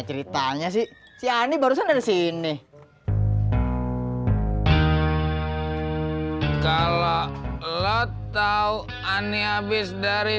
ngobrol sama ani gimana ceritanya sih si ani barusan dari sini kalau lo tau ani habis dari